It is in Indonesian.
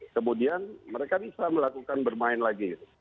kemudian mereka bisa melakukan bermain lagi